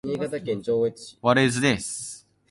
これは一体何でしょうか？